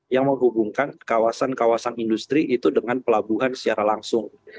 yang menghubungkan kawasan kawasan industri itu dengan pelabuhan secara langsung